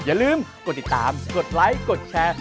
อย่าลืมกดติดตามกดไลค์กดแชร์